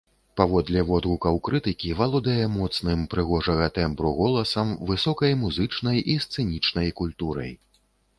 Паводле водгукаў крытыкі, валодае моцным, прыгожага тэмбру голасам, высокай музычнай і сцэнічнай культурай.